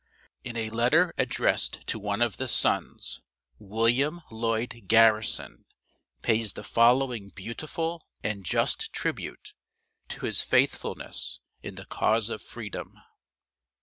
W. In a letter addressed to one of the sons, William Lloyd Garrison pays the following beautiful and just tribute to his faithfulness in the cause of freedom.